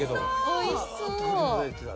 おいしそう。